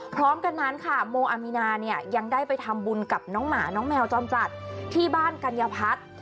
พร้อมกันนั้นค่ะโมอามีนาเนี่ยยังได้ไปทำบุญกับน้องหมาน้องแมวจอมจัดที่บ้านกัญญพัฒน์